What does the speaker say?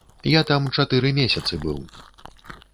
Я там чатыры месяцы быў.